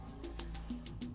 tapi sayangnya penuh